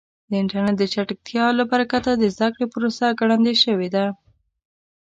د انټرنیټ د چټکتیا له برکته د زده کړې پروسه ګړندۍ شوې ده.